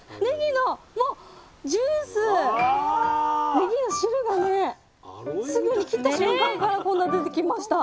ねぎの汁がねすぐに切った瞬間からこんな出てきました。